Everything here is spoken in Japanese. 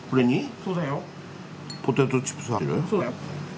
そうだよ。